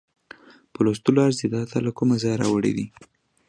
په لوستلو ارزي، دا تا له کومه ځایه راوړې دي؟